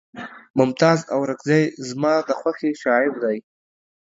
ممتاز اورکزے زما د خوښې شاعر دے